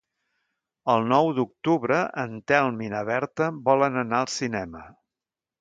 El nou d'octubre en Telm i na Berta volen anar al cinema.